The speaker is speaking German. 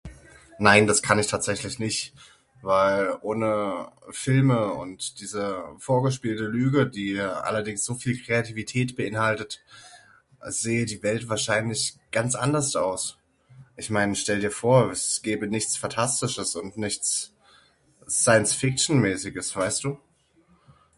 Nein das kann ich tatsächlich nicht, weil ohne Filme und diese vorgespielte Lüge die allerdings soviel Kreativität beinhaltet, sähe die Welt wahrscheinlich ganz anders aus, ich mein, stell dir vor es gäbe nichts fantastisches und nichts Science Fiction mäßiges, weißt Du?